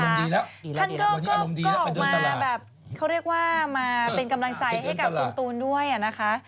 ดีแล้วท่านก็ออกมาแบบเขาเรียกว่ามาเป็นกำลังใจให้กับคุณตูนด้วยนะคะ